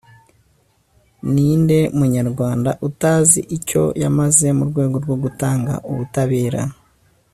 Ni nde Munyarwanda utazi icyo yamaze mu rwego rwo gutanga ubutabera